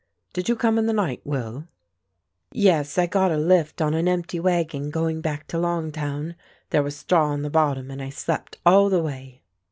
Did you come in the night, Will?" "Yes, I got a lift on an empty wagon going back to Longtown. There was straw in the bottom and I slept all the way."